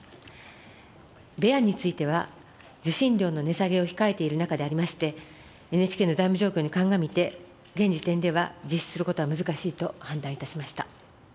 ベアについては受信料の値下げを控えている中でありまして、ＮＨＫの財務状況に鑑みて、現時点では実施することは難しいと判断いたしました。